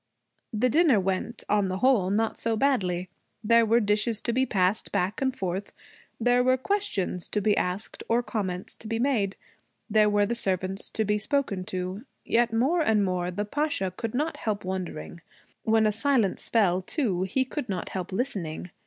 The dinner went, on the whole, not so badly. There were dishes to be passed back and forth. There were questions to be asked or comments to be made. There were the servants to be spoken to. Yet, more and more, the Pasha could not help wondering. When a silence fell, too, he could not help listening.